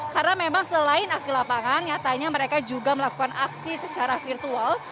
karena memang selain aksi lapangan nyatanya mereka juga melakukan aksi secara virtual